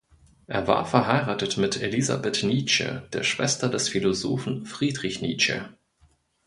Er war verheiratet mit Elisabeth Nietzsche, der Schwester des Philosophen Friedrich Nietzsche.